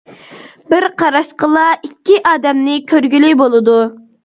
بىر قاراشقىلا ئىككى ئادەمنى كۆرگىلى بولىدۇ.